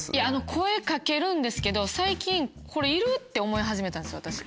声かけるんですけど最近これいる？って思い始めたんですよ私。